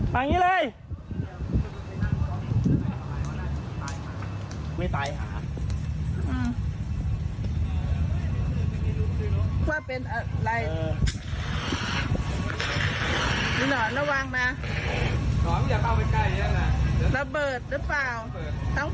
สะเบิดหรือเปล่าทั้งไฟทั้งรถทั้งแก๊สทั้ง